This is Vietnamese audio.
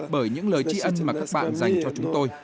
bởi những lời trí ân mà các bạn dành cho chúng tôi